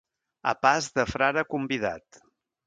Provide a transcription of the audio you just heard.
A pas de frare convidat.